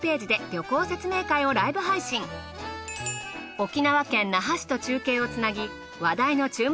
沖縄県那覇市と中継をつなぎ話題の注目